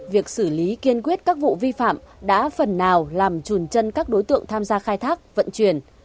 việc xử lý kiên quyết các vụ vi phạm đã phần nào làm trùn chân các đối tượng tham gia khai thác vận chuyển